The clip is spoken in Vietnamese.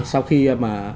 sau khi mà